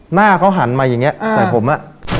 หน้าเขาหันมาอย่างนี้ใส่ผมอ่ะ